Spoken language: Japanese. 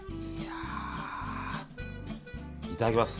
いただきます。